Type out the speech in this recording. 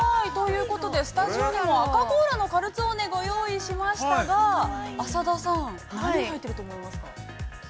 スタジオにはアカこうらのカルツォーネご用意しましたが、浅田さん、何入ってると思いますか。